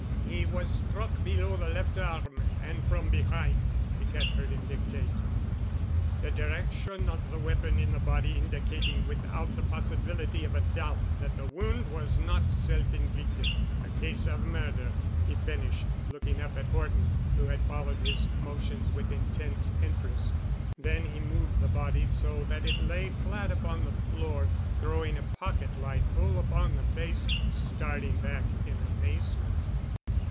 "He was struck below the left arm and from behind," Piquette heard him dictate, "the direction of the weapon in the body indicating without the possibility of a doubt that the wound was not self inflicted. A case of murder," he finished, looking up at Horton, who had followed his motions with intense interest. Then he moved the body so that it lay flat upon the floor, throwing a pocket light full upon the face, starting back in amazement.